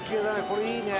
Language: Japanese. これいいね。